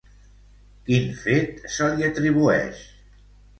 Quin fet se li atribueix?